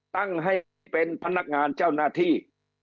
ตั้งให้เป็นพนักงานเจ้าหน้าที่